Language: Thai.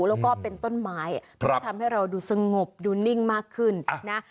แล้วก็เป็นต้นไม้ที่ทำให้เราดูสงบดูนิ่งมากขึ้นนะ